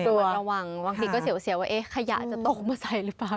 ระวังบางทีก็เสียว่าขยะจะตกมาใส่หรือเปล่า